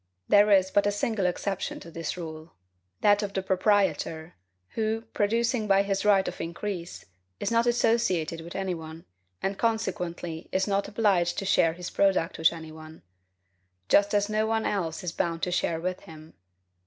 There is but a single exception to this rule, that of the proprietor, who, producing by his right of increase, is not associated with any one, and consequently is not obliged to share his product with any one; just as no one else is bound to share with him.